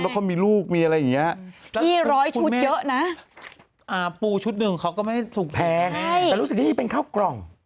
แต่รู้สึกดีเป็นข้าวกล่อง